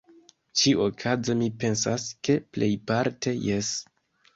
Ĉi-okaze mi pensas, ke plejparte jes.